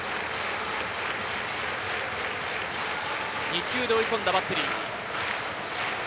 ２球で追い込んだバッテリー。